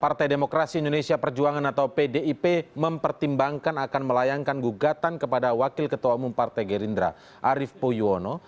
partai demokrasi indonesia perjuangan atau pdip mempertimbangkan akan melayangkan gugatan kepada wakil ketua umum partai gerindra arief puyono